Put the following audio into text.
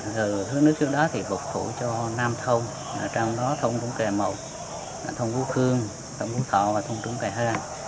thứ nước suối đá thì phục vụ cho nam thông trong đó thông trung kè mậu thông vũ khương thông vũ thọ và thông trung kè hơ